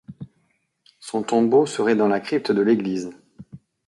Son tombeau serait dans la crypte de l'église.